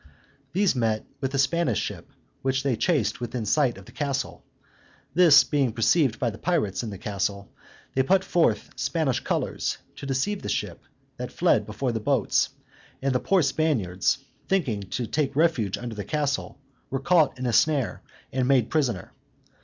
These met with a Spanish ship, which they chased within sight of the castle. This being perceived by the pirates in the castle, they put forth Spanish colors, to deceive the ship that fled before the boats; and the poor Spaniards, thinking to take refuge under the castle, were caught in a snare, and made prisoners.